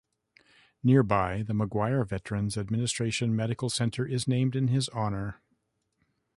Nearby, the McGuire Veterans Administration Medical Center is named in his honor.